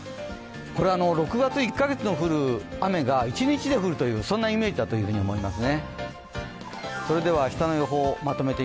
これは６月、１か月に降る雨が一日で降るというイメージだと思います。